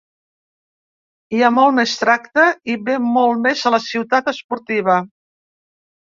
Hi ha molt més tracte i ve molt més a la ciutat esportiva.